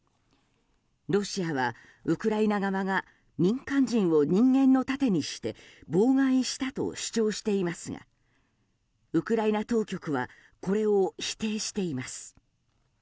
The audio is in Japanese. ロシアはウクライナ側が民間人を人間の盾にして妨害したと主張していますがウクライナ当局はこれを否定しています。